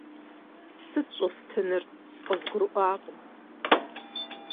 Сыт щӀостынур, къызгурыӏуакъым?